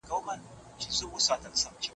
زعفران د سولې او دوستۍ سفیر دی.